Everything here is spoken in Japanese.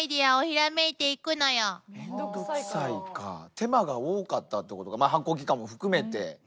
手間が多かったってことかまあ発酵期間も含めて。